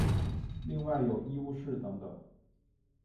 另外有医务室等等。